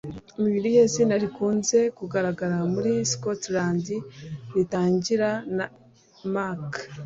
Ni irihe zina rikunze kugaragara muri Scotland ritangira na "Mac"?